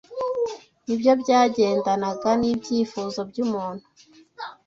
ni byo byagendanaga n’ibyifuzo by’umuntu